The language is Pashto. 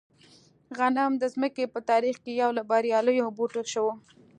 غنم د ځمکې په تاریخ کې یو له بریالیو بوټو شو.